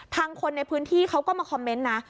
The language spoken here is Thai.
คนในพื้นที่เขาก็มาคอมเมนต์นะ